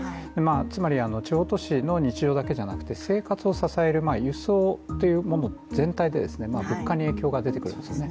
つまり地方都市の日常だけじゃなくて、生活を支える輸送というもの全体、物価に影響が出てくるんですね。